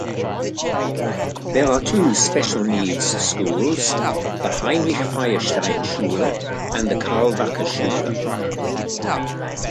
There are two special-needs schools: the Heinrich-Feuerstein-Schule and the Karl-Wacker-Schule.